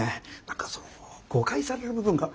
何かその誤解される部分が。